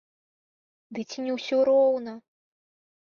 Ды ці не ўсё роўна?!